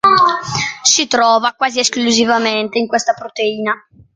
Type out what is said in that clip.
Si trova quasi esclusivamente in questa proteina.